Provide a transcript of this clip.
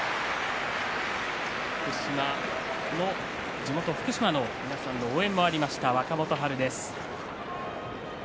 地元福島の皆さんの応援もありました、若元春です。